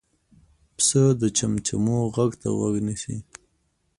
پسه د چمچمو غږ ته غوږ نیسي.